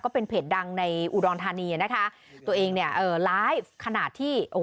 เป็นเพจดังในอุดรธานีนะคะตัวเองเนี่ยเอ่อไลฟ์ขนาดที่โอ้โห